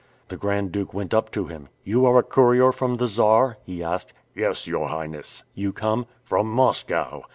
The Grand Duke went up to him. "You are a courier from the Czar?" he asked. "Yes, your Highness." "You come?" "From Moscow."